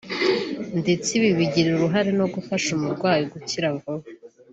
ndetse ibi bigira uruhare no gufasha umurwayi gukira vuba